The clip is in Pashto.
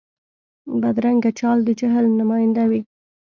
بدرنګه چال د جهل نماینده وي